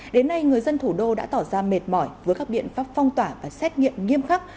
đến nay người dân thủ đô đã tỏ ra mệt mỏi với các biện pháp phong tỏa và xét nghiệm nghiêm khắc